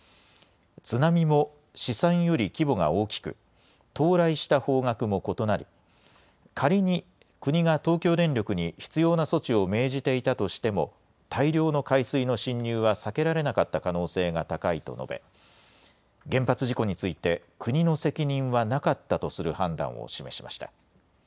津波も試算より規模が大きく、到来した方角も異なり、仮に国が東京電力に必要な措置を命じていたとしても、大量の海水の侵入は避けられなかった可能性が高いと述べ、原発事故について、国の責任はなかったとする判断を示しました。